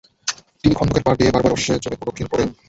তিনি খন্দকের পাড় বেয়ে বার বার অশ্বে চড়ে প্রদক্ষিণ করেন।